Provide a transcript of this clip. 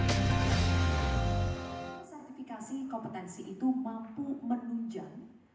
sertifikasi kompetensi itu mampu menunjang